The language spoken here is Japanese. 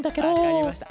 わかりました。